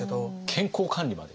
健康管理まで？